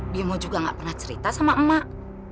bimo juga gak pernah cerita sama emak